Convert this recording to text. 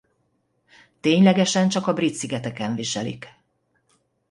Ténylegesen csak a Brit-szigeteken viselik.